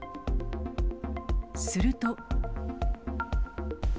すると。